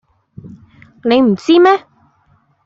你唔知咩